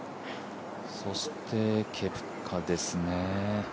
そしてケプカですね。